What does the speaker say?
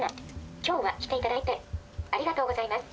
７今日は来ていただいてありがとうございます